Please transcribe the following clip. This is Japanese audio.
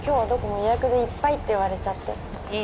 予約でいっぱいって言われちゃっていえいえ